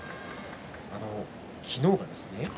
昨日はですね